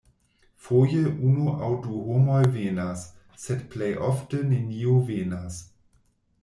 Foje unu aŭ du homoj venas, sed plejofte neniu venas.